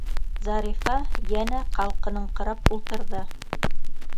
Зарифа йәнә ҡалҡыныңҡырап ултырҙы.